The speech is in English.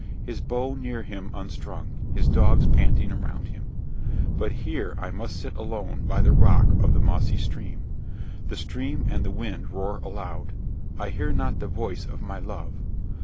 His bow near him unstrung, his dogs panting around him! But here I must sit alone by the rock of the mossy stream. The stream and the wind roar aloud. I hear not the voice of my love!